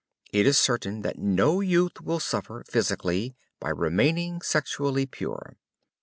It is certain that no youth will suffer, physically, by remaining sexually pure.